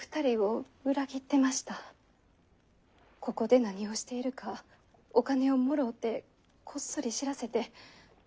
ここで何をしているかお金をもろうてこっそり知らせて。